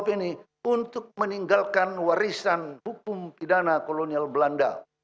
kelihatannya pak ketua agak susah juga meninggalkan warisan hukum pidana kolonial belanda